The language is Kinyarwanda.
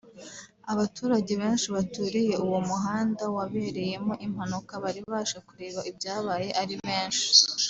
Abaturage benshi baturiye uwo muhanda wabereyemo impanuka bari baje kureba ibyabaye ari benshi